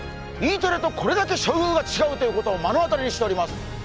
Ｅテレとこれだけ処遇が違うということを目の当たりにしております。